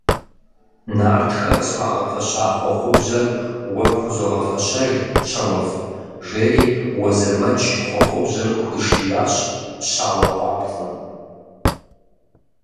Нартхэ къысхуагъэфэща хъуэхъубжьэр уэ пхузогъэфэщэж, щауэфӏ, – жери Уэзырмэдж хъуэхъубжьэр къыхуишиящ щауэ къуапцӏэм.